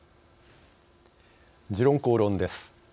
「時論公論」です。